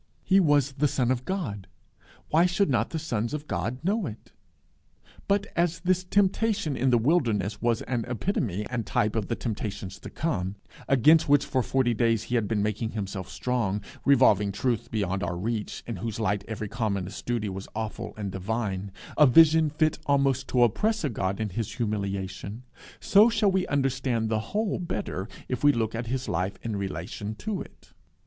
He was the Son of God: why should not the sons of God know it? But as this temptation in the wilderness was an epitome and type of the temptations to come, against which for forty days he had been making himself strong, revolving truth beyond our reach, in whose light every commonest duty was awful and divine, a vision fit almost to oppress a God in his humiliation, so we shall understand the whole better if we look at his life in relation to it.